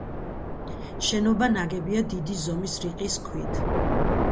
შენობა ნაგებია დიდი ზომის, რიყის ქვით.